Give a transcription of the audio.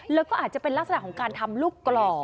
แล้วก็อาจจะเป็นลักษณะของการทำลูกกรอก